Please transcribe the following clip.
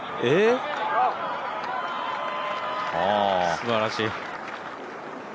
すばらしい！